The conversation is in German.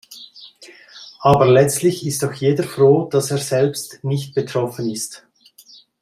Aber letztlich ist doch jeder froh, dass er selbst nicht betroffen ist.